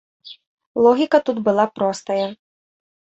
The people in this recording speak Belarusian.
Логіка тут была простая.